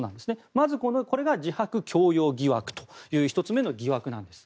まずこれが自白強要疑惑という１つ目の疑惑なんです。